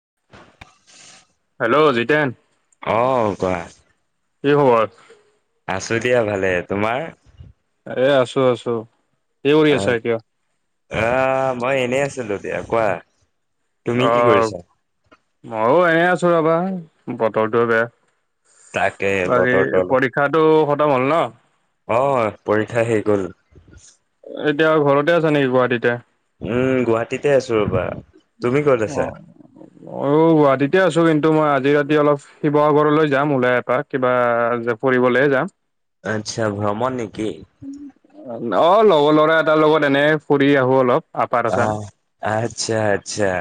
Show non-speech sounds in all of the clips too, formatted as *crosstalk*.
*inaudible* Hello Jiten. অ', কোৱা। কি খবৰ? আছো দিয়া ভালে, তোমাৰ? এ আছো আছো, এই কৰি আছা আহ এতিয়া? আহ মই এনেই আছিলো দিয়া, কোৱা। তুমি কি আহ, কৰিছা? ময়ো এনেই আছো ৰ'বা, বতৰটোৱে বেয়া। তাকে বাকী বতৰটো অলপ পৰীক্ষাটো খতম হ'ল ন'। অ', পৰীক্ষা শেষ হ'ল। এতিয়া ঘৰতে আছা নেকি, গুৱাহাটীতে? উম গুৱাহাটীতে আছো ৰ'বা। তুমি ক'ত আছা? অ', অ', গুৱাহাটীতে আছো কিন্তু মই আজি আজি ৰাতি অলপ শিৱসাগৰলৈ যাম ওলাই এপাক কিবা ফুৰিবলৈ যাম। আচ্ছা, ভ্ৰমণ নেকি? অ', লগৰ ল'ৰা এটাৰ লগত এনে ফুৰি আহো অলপ। আপাৰ আছাম। আহ, আচ্ছা আচ্ছা,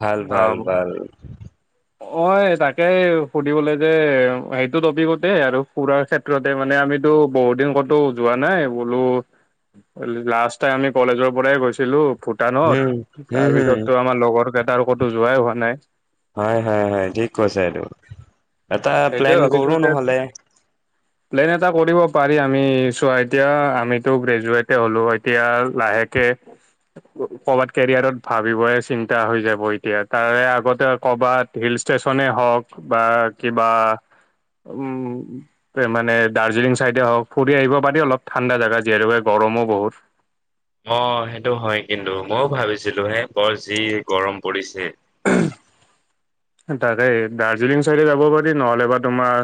ভাল ভাল অ' ভাল। অ', তাকেই সুধিবলে যে সেইটো টপিকতে আৰু ফুৰাৰ ক্ষেত্ৰতে মানে আম আমিতো বহুত দিন ক'তো যোৱা নাই বোলো লাষ্ট টাইম আমি কলেজৰ পৰাই গৈছিলো। ভূটানত, হম হম হম তাৰপিছততো আমাৰ লগৰ কেইটাৰ ক'তো যোৱাই হোৱা নাই। হয় হয় হয়, ঠিক কৈছা এইটো, এটা প্লেন সেইটোয়ে ভাবিছো কৰো যে নহলে। প্লেন এটা কৰিব পাৰি আমি, চোৱা এতিয়া আমিতো গ্ৰেজুৱেটেই হলো এতিয়া লাহেকে এ কৰবাত কেৰিয়াৰত ভাবিবই চিন্তা হৈ যাব এতিয়া, তাৰে আগতে কৰবাত হিল ষ্টেচনে হওঁক বা কিবা উম, মানে দাৰ্জিলিং চাইডে হওঁক ফুৰি আহিব পাৰি অলপ, ঠাণ্ডা জাগা যিহেতুকে গৰম গৰমো বহুত। অ', সেইটো হয় কিন্তু, মইওঁ ভাবিছিলো হে বৰ যি গৰম পৰিছে। *unintelligible* তাকেই দাৰ্জিলিং চাইডে যাব পাৰি, নহ'লে বা তোমাৰ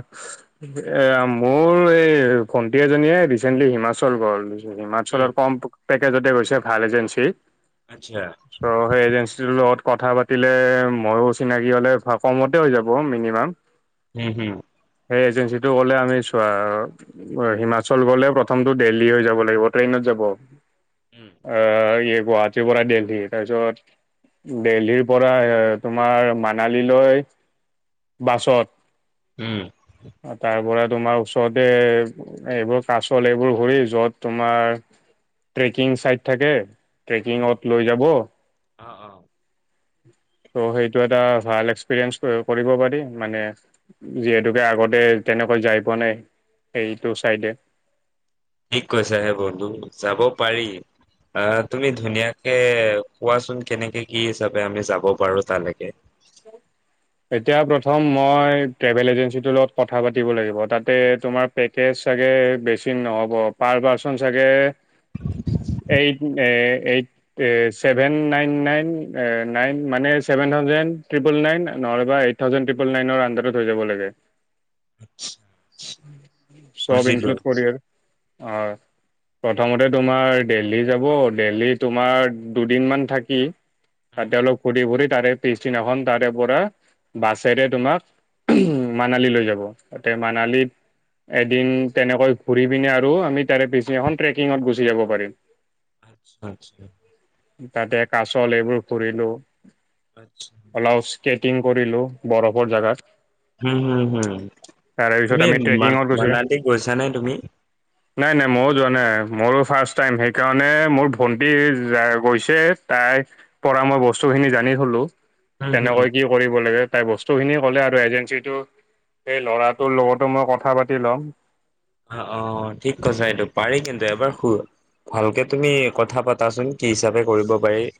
এ মোৰ এ ভণ্টি এজনীয়ে ৰিচেণ্টলি হিমাচল গ'ল। উম, হিমাচলৰ কম পেকেজতে গৈছে ভাল এজেঞ্চি। আচ্ছা চ' সেই এজেঞ্চিটোৰ লগত কথা পাতিলে মইওঁ চিনাকি *unintelligible* হলে, কমতে হৈ যাব মিনিমাম। হম হম। সেই এজেঞ্চীটো কলে আমি চোৱা, হিমাচল গলে প্ৰথমটো দেল্লী হৈ যাব লাগিব, ট্ৰেইনত উম, *unintelligible* গুৱাহাটীৰ পৰা দেলহি, তাৰপিছত, দেলহিৰ পৰা এ তোমাৰ মান *unintelligible* লৈ বাছত, উম। তাৰপৰা তোমাৰ ওচৰতে এইবোৰ কাচল এইবোৰ ঘূৰি, যত তোমাৰ ট্ৰেকিং চাইট থাকে, অ', ট্ৰেকিংত লৈ যাব। অ', অ'। *unintelligible* চ', সেইটো এটা ভাল এক্সপিৰিয়েঞ্চ কৰিব পাৰি, মানে যিহেতুকে আগতে *unintelligible* যাই পোৱা, নাই সেইটো চাইডে ঠিক কৈছাহে বন্ধু, যাব পাৰি। আহ, তুমি ধুনীয়াকে কোৱাচোন কেনেকে কি হিচাপে আমি যাব পাৰো তালৈকে? *unintelligible* এতিয়া প্ৰথম মই ট্ৰেভেল এজেন্সীটোৰ লগত কথা পাতিব লাগিব, তাতে তোমাৰ পেকেজ চাগে বেছি নহ'ব পাৰ পাৰ্চন চাগে eight uh eight uh seven nine nine uh nine মানে চেভেন থাউজেণ্ড ট্ৰিপল নাইন নহ'লেবা এইট থাউজেণ্ড ট্ৰিপল নাইনৰ আণ্ডাৰত হৈ যাব লাগে। চব বুজিলো। ইনক্লুড কৰি আৰু হয়। প্ৰথমতে তোমাৰ দেলহি যাব, দেলহি তোমাৰ দুদিনমান থাকি উম, তাতে অলপ ফুৰি ফুৰি তাৰে পিছদিনাখন তাৰে পৰা বাছেৰে তোমাক মানালী লৈ যাব। তাতে মানালীত এদিন তেনেকৈ ঘুৰি পিনে আৰু আমি তাৰে পিছদিনাখন ট্ৰেকিঙত গুচি যাব পাৰিম। আচ্ছা, আচ্ছা। তাতে কাচল এইবোৰ ফুৰিলো। অলপ স্কেট কৰিলো বৰফৰ জেগাত। হু, হু, হু। পিছত তুমি আমি ট্ৰেকিঙত গৈছো মান-মানালী গৈছা নে তুমি? মইওঁ যোৱা নাই, মোৰো ফাৰ্ষ্ট টাইম সেইকাৰণে মোৰ ভন্টি যা গৈছে তাই পৰা মই বস্তু খিনি জানি থলো। হো, হো। দিব লাগে, তাই বস্তু খিনি হ'লে আৰু এজেন্সিটো সেই ল'ৰাটোৰ লগতো মই কথা পাতি ল'ম। অ', অ', ঠিক কৈছা এইটো পাৰি কিন্তু, এবাৰ শু ভালকে তুমি কথা পাতাচোন কি হিচাপে কৰিব পাৰি।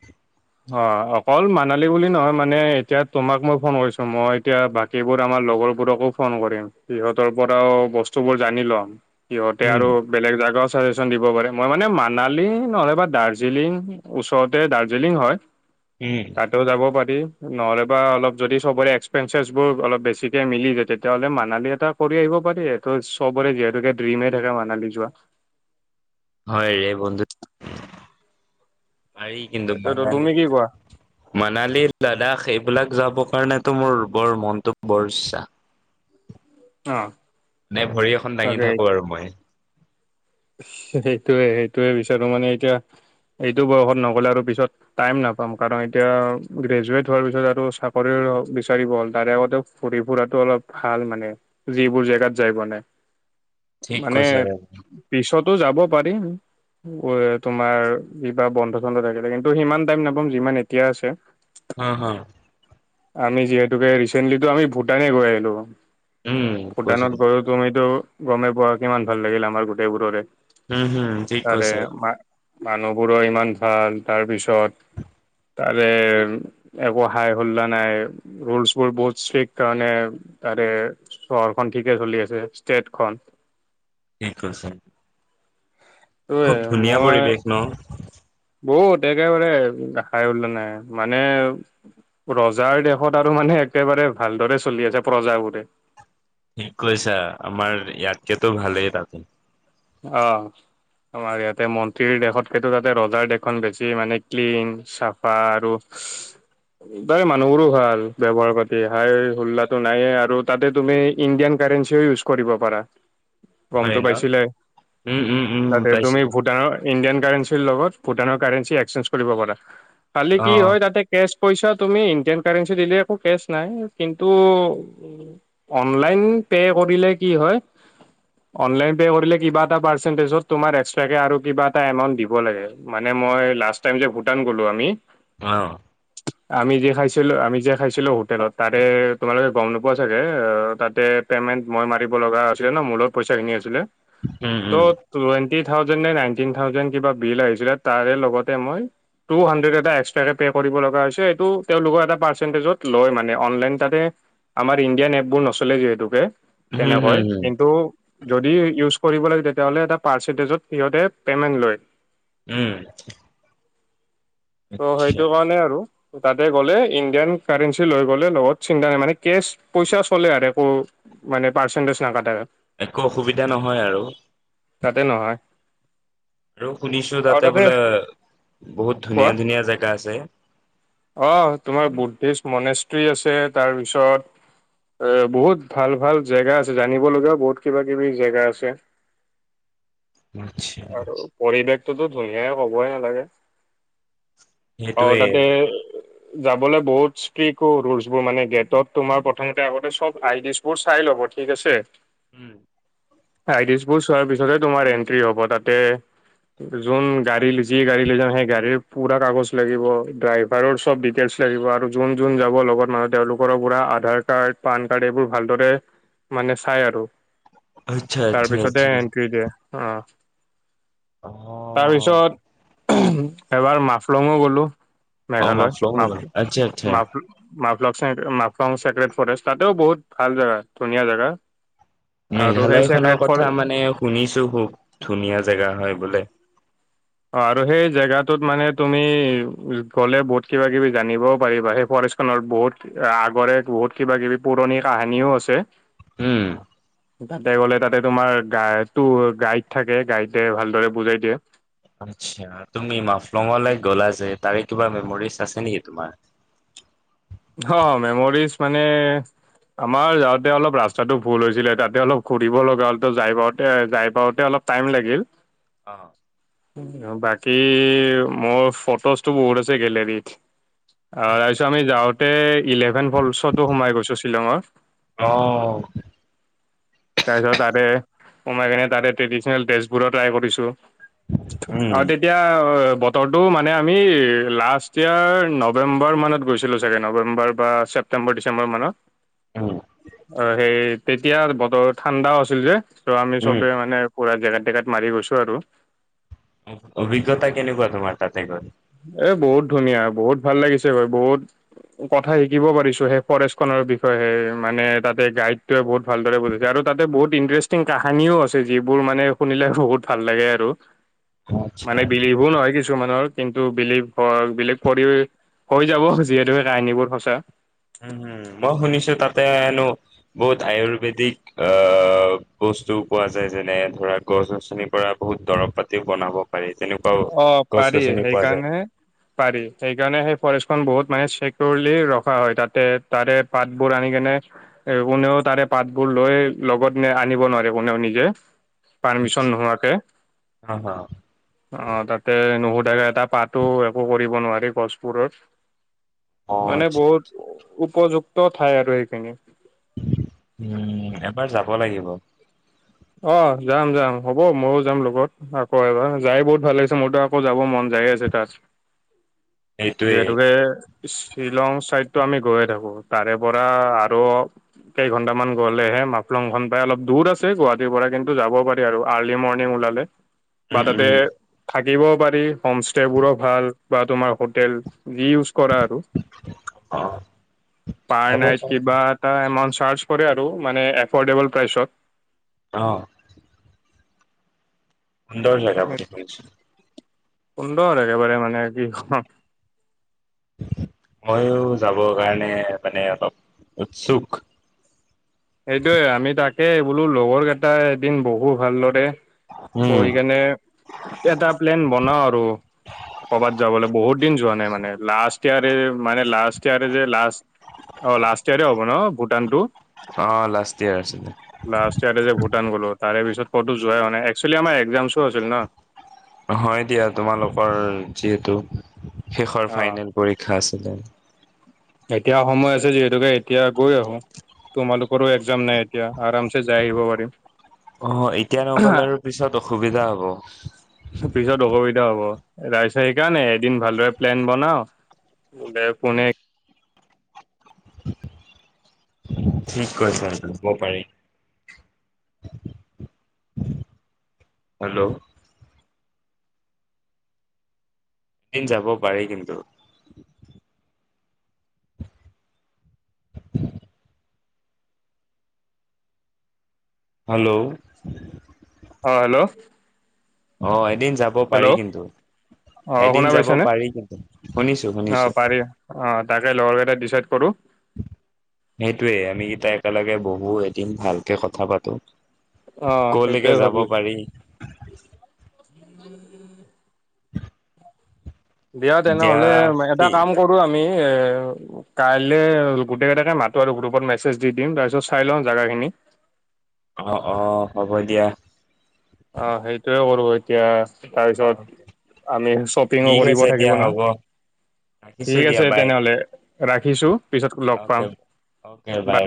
অ', অকল মানালী বুলি নহয় মানে এতিয়া তোমাক মই ফোন কৰিছো মই এতিয়া বাকীবোৰ আমাৰ লগৰবোৰকো ফোন কৰিম। সিহঁতৰ পৰাও বস্তুবোৰ জানি লম। সিহঁতে উম, আৰু বেলেগ জাগা ছাজেশ্যন দিব পাৰে। মই মানে মানালী নহলে বা দাৰ্জিলিং, ওচৰতে দাৰ্জিলিং হয়। উম, তাতেও যাব পাৰি। নহ'লে বা অলপ যদি চবৰে এক্সপেন্সেছবোৰ অলপ বেছিকে মিলিযাই তেতিয়া হ'লে মানালী এটা কৰি আহিব কৰিব পাৰি তো চবৰে যিহেতুকে ড্ৰিমে থাকে মানালী যোৱা। হয় ৰে বন্ধু পাৰি কিন্তু এইটোতো তুমি মানালী, কি কোৱা মানালীৰ লাডাখ সেই বিলাক যাব কাৰণেতো মোৰ বৰ মনটো বৰ ইচ্ছা। অ'। নে ভৰি এখন দাঙি থাকোঁ আৰু মই। সেইটোয়ে সেইটোয়ে বিচাৰোঁ মানে এতিয়া এইটো বয়সত নগ'লে আৰু পিছত টাইম নাপাম কাৰণ এতিয়া গ্ৰেজুৱেট হোৱাৰ পিছত আৰু চাকৰি ৰ' বিচাৰিব হ'ল। তাৰে আগতে ফুৰি ফুৰাটো অলপ ভাল মানে যিবোৰ জেগাত যাই পোৱানাই। *inaudible* ঠিক কৈছে। ত' যাব পাৰিম। ঐ, তোমাৰ কিবা বন্ধ চন্ধ থাকিলে কিন্তু সিমান টাইম নাপাম যিমান এতিয়া আছে। হাঁ, হাঁ। আমি যিহেতুকে ৰিচেণ্টলিটো আমি ভূটানে গৈ আহিলোঁ। উম কৈছে ভূটানত গৈও তুমিতো গমেই পোৱা কিমান ভাল লাগিলে আমাৰ গোটেইবোৰৰে। হু, হু, ঠিক তাৰে কৈছে। মা মানুহবোৰো ইমান ভাল। তাৰপিছত তাৰে একো হাই হুল্লা নাই ৰুল্ছবোৰ বহুত ষ্ট্ৰিক্ট কাৰণে তাৰে চহৰখন ঠিকে চলি আছে। এটখন। কি কৈছে? টোৱে খুব ধুনীয়া পৰিৱেশ ন? অ', তে একেবাৰে হাই হুল্লা নাই। মানে ৰজাৰ দেশত আৰু মানে একেবাৰে ভালদৰে চলি আছে প্ৰজাবোৰে। কি কৈছা? আমাৰ ইয়াতকেটো ভালেই তাতে। অ'। আমাৰ ইয়াতে মন্ত্ৰীৰ দেশতকেটো তাতে ৰজাৰ দেশখন বেছি মানে ক্লীন, চাফা আৰু *unintelligible* তাৰে মানুহবোৰো ভাল ব্যৱহাৰ পাতি, হাই হোল্লাটো নাইয়ে আৰু তাতে তুমি ইণ্ডিয়ান *unintelligible* ইউজ কৰিব পাৰা, হয় গমটো ন পাইছিলাই। উম উম উম তাতে তুমি পাইছিলো ভূটানৰ ইণ্ডিয়ান কাৰেন লগত ভুটানৰ কাৰেন্সী এক্সচেঞ্জ কৰিব পৰা, পাৰলে অ কি হয় তাতেই কেশ পইচা তুমি ইণ্ডিয়ান কাৰেন্সী দিলে একো কেচ নাই কিন্তু অনলাইন পে' কৰিলে কি হয়, অনলাইন পে' কৰিলে কিবা পাৰ্চেণ্টেজত তোমাৰ এক্সট্ৰা কে আৰু কিবা এটা এমাউণ্ট দিব লাগে মান মই লাষ্ট টাইম যে ভূটান গলো আমি অ', আমি যে খাইছিলো আমি যে খাইছিলোঁ হোটেলত তাৰে তোমালোকে গম নোপোৱা চাগে তাতে পেমেন্ট মই মাৰিব লগা আছিলে ন', মোৰ লগত পইচাখিনি আছিলে। উম উম ত', টুৱেন্টি থাউজেণ্ড নে নাইন্তিন থাউজেণ্ড কিবা বিল আহিছিলে, তাৰে লগতে মই টু হানড্ৰেড এটা এক্সট্ৰাকে পে কৰিব লগা হৈছে, এইটো তেওঁলোকৰ এটা পাৰ্চেন্টেজত লয় মানে, অনলাইন তাতে আমাৰ ইণ্ডিয়ান এপবোৰ নচলে যিহেতুকে হম হম তেনেকুৱাই, হম কিন্তু যদি ইউজ কৰিব লাগে তেতিয়াহ'লে এটা পাৰ্চেটেজত সিহঁতে পেমেন্ট লয়। উম। ত', আচ্ছা সেইটো কাৰণে আৰু। তাতে গ'লে ইণ্ডিয়ান কাৰেঞ্চি লৈ গ'লে লগত চিন্তা নাই মানে, কেচ পইচা চলে আৰু একো মানে পাৰ্চেণ্টেজ নাকাটে। একো অসুবিধা নহয় আৰু তাতে নহয়। আৰু শুনিছো তাতে বোলে, বহুত কোৱা, ধুনীয়া ধুনীয়া জেগা আছে আহ তোমাৰ বুদ্ধিষ্ট মনেষ্ট্ৰী আছে, তাৰপিছত এ বহুত ভাল ভাল জেগা আছে, জানিব লগীয়াও বহুত কিবা কিবি জেগা আছে। আচ্ছা আৰু পৰিৱেশটোতো ধুনীয়াই, কবই নালাগে। অ', সেইটোৱে ততে যাবলে বহুত ষ্ট্ৰিকো ৰুলছবোৰ মানে, গেটত তোমাৰ প্ৰথমতে আগতে চব আইদিচবোৰ চাই লব। ঠিক আছে। উম। আইডিছবোৰ চোৱাৰ পিছতহে তোমাৰ এন্ট্ৰি হ'ব তাতে যোন গাড়ী, যি গাড়ী লৈ যাওঁ, সেই গাড়ীৰ পুৰা কাগজ লাগিব, ড্ৰাইভাৰৰ চব ডিটেইলচ লাগিব আৰু যোন যোন যাব লগত মানুহ তেওঁলোকৰো পুৰা আধাৰ কাৰ্ড, পান কাৰ্ড এইবোৰ ভালদৰে মানে চাই আৰু। তাৰপিছতে এন্ট্ৰি দিয়ে। অ', অ তাৰপিছত এবাৰ মাফলঙো গ'লোঁ, অ মেঘালয, মাফলং হ'ল। *unintelligible* আচ্ছা আচ্ছা *unintelligible* মাফলং ছেক্ৰেট ফৰেষ্ট, তাতেও বহুত ভাল জেগা, ধুনীয়া জেগা। আৰু সেই মেঘালয় চেক্ৰেট খনৰ ফৰ কথা অ', মানে শুনিছো, খুব ধুনীয়া জেগা হয় বোলে। অ', আৰু সেই জেগাটোত মানে তুমি গলে বহুত কিবা কিবি জানিবওঁ পাৰিবা সেই *unintelligible* বহুত আগৰে, বহুত কিবা কিবি পুৰণি কাহিনিও আছে। উম। তাতে গ'লে তাতে তোমাৰ, গাটো, গাইড থাকে, গাইডে ভালদৰে বুজাই দিয়ে। আচ্ছা, তুমি মাফলঙলৈ গ'লা যে, তাৰে কিবা মেমৰিজ আছে নেকি তোমাৰ? অ', মেমৰিজ মানে আমাৰ যাওঁতে অলপ ৰাস্তাটো ভুল হৈছিলে, তাতে অলপ ঘূৰিব লগা হল, ত' যাই পাওঁতে যাই পাওঁতে অলপ টাইম লাগিল। অ'। বাকী, মোৰ ফটোজটো বহুত আছে গেলেৰীত। আহ, তাৰপিছত আমি যাওঁতে, ইলেভেন ফলছতো সোমাই গৈছো শ্বিলঙৰ। অ' তাৰপিছত তাতে সমাই কেনে তাতে ট্ৰেডিচনেল ড্ৰেচবোৰও ট্ৰাই কৰিছো। অ, উম তেতিয়া অ বতৰটো মানে আমি লাষ্ট ইয়েৰ নৱেম্বৰ মানত গৈছিলোঁ চাগে নৱেম্বৰ বা চে *unintelligible* ডিচেম্বৰ মানত। *unintelligible* অ', হেই তেতিয়া বতৰত ঠাণ্ডাওঁ আছিল যে, ত' আমি উম চবে মানে পুৰা জেকেট-টেকেত মাৰি গৈছো আৰু। অভিজ্ঞতা কেনেকুৱা তোমাৰ তাতে গৈ? এ বহুত ধুনীয়া, বহুত ভাল লাগিছে গৈ, বহুত - কথা শিকিব পাৰিছো সেই ফৰেষ্ট খনৰ বিষয়ে মানে তাতে গাইড টোৱে বহুত ভালদৰে *unintelligible* আৰু তাতে বহুত ইন্টাৰেষ্টিং কাহানিও আছে। যিবোৰ মানে শুনিলে বহুত ভাল লাগে আৰু। মানে আচ্ছা বিলীভো নহয় কিছুমানৰ কিন্তু বিলিফ অ, বিলিফ কৰি, হৈ যাব যিহেতু সেই কাহিনীবোৰ সঁচা। উ, উ মই শুনিছো তাতে হেনো বহুত আয়ৰৰ্বেদিক আহ, বহু বস্তুও পোৱা যায়, যেনে ধৰা গছ-গছনিৰ পৰা বহুত দৰব পাতিও বনাব পাৰি। তেনেকুৱাও অ গছ পাৰি, গছনি পোৱা যায়। সেইকাৰণেহে পাৰি, সেইকাৰণেহে ফৰেষ্ট খন বহুত মানে চিকীয়ৰ্লি ৰখা হয়, তাতে তাৰে পাতবোৰ আনি কেনে এ কোনেও তাৰে পাতবোৰ লৈ লগত নে আনিব নোৱাৰে কোনেও নিজে পাৰমিচন নোহোৱাকে। অ', অ', অ তাতে নুশুধাকে এটা পাতো একো কৰিব নোৱাৰি গছবোৰত। অ', মানে আচ্ছা আচ্ছা বহুত উপযুক্ত ঠাই আৰু সেইখিনি। উম এবাৰ যাব লাগিব। অ, যাম - যাম হ'ব ময়ো যাম লগত আকৌ এবাৰ, যাই বহুত ভাল লাগিছে মোৰতো আকৌ যাব মন জাই আছে তাছ সেইটোৱে যিহেতুকে শ্বিলং চাইডতটো আমি গৈয়ে থাকো। তাৰে পৰা আৰু কেই ঘন্টামান গ'লেহে মাফলং খন পাই অলপ দূৰ আছে গুৱ টিৰ পৰা। কিন্তু যাব পাৰি আৰু আৰলি মৰলি উলালে। বা উম, ততে উম, থা দিব পাৰি। হোমষ্টেবোৰো ভাল বা তোমাৰ হোটেল যি ইউজ কৰা আৰু। অ', পাৰ যাব নাইট পাৰি কিবা এটা এমাউচ চাৰ্জ কৰে আৰু মানে এফৰ্ডেবল প্ৰাইচত। অ, সুন্দৰ *unintelligible* সুন্দৰ একেবাৰে মানে *unintelligible* ময়ো যাবৰ কাৰণে মানে অলপ উৎসুক। সেইটোয়ে আমি তাকে বোলো লগৰ কেইটা এদিন বহু ভালদৰে উম, বহি কেনে এটা প্লেন বনাও আৰু। ক'ৰবাত যাবলৈ বহুত দিন যোৱা নাই মানে। লাষ্ট তিয়াৰে, মানে লাষ্ট তিয়াৰে, লাষ্ট অ লাষ্ট ইয়াৰে হ'ব ন ভূটানটো? অ', লাষ্ট ইয়াৰ আছিলে লাষ্ট ইয়াৰে যে ভূটান গলো তাৰে পিছত ক'তো যোৱাই হোৱা নাই। একচুৱেলি আমাৰ একজাম চো আছিল ন। হয় দিয়া তোমালোকৰ যিহেতু শেষৰ অ ফাইনেল পৰীক্ষা আছ *inaudible* এতিয়া সময় আছে যিহেতুকে এতিয়া গৈ আহো। তোমালোকৰো এক্জাম নাই এতিয়া, আৰামছে যাই আহিব পাৰিম। অ, এতিয়া নগলে আৰু পিছত অসুবিধা হ'ব। পিছত অসুবিধা হ'ব। ৰাইছা সেইকাৰণে এদিন ভালদৰে প্লেন বনাও বোলে কোনে *inaudible* ঠিক কৈছে *unintelligible* পাৰি। হেল্ল'। এদিন যাব পাৰি কিন্তু। হেল্ল'। অঁ' হেল্ল'। অ' এদিন যাব হেল্ল' পাৰি কিন্তু। অ এদিন শুনা যাব পাইছ নে? পাৰি কিন্তু। শুনিছো অ শুনিছো। পাৰি, অ তাকে লগৰকেইটা ডিচাইড কৰো সেইটোৱে আমি ইতা একেলগে বহু এদিন ভালকে কথা পাতোঁ। অ কলৈকে সেইটোয়ে যাব ভাবি আছো পাৰি। *inaudible* *inaudible* দিয়া তেনেহ'লে এটা কি কাম কৰো আমি। এ কাইলে গোটেই কেইটাকে মাতো আৰু গ্ৰুপত মেছেজ দি দিম তাৰ পিছত চাই লওঁ জেগা খিনি। *inaudible* আহ' অ' হ'ব দিয়া। অ' সেইটোয়ে কৰো এতিয়া। অ তাৰপিছত আমি শ্বপিঙো ঠিক কৰিব আছে দিয়া থাকিব নহ। হ'ব। ৰাখিছো ঠিক দিয়া আছে বাই। তেনেহলে ৰাখিছো পিছত লগ অ'কে পাম। অ'কে বাই।